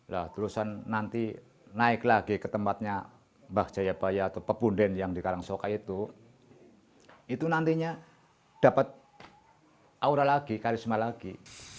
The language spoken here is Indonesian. nah terusan nanti naik lagi ke tempatnya mbah jayabaya atau pebunden yang di karangsoka itu itu nantinya dapat aura lagi karisma lagi